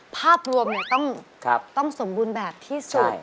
ภาพรวมต้องสมบูรณ์แบบที่สุด